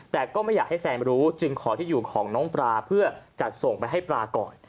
แต่ก็ไม่อยากให้แฟนรู้จึงขอที่อยู่ของน้องปลาเพื่อจัดส่งไปให้ปลาก่อน